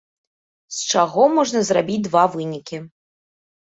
З чаго можна зрабіць два вынікі.